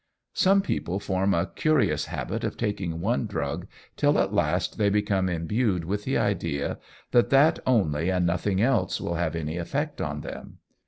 Some people form a curious habit of taking one drug till at last they become imbued with the idea that that only and nothing else, will have any effect on them.